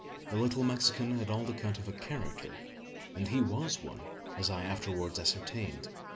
The little Mexican had all the cut of a "character;" and he was one, as I afterwards ascertained.